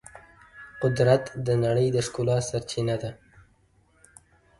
قدرت د نړۍ د ښکلا سرچینه ده.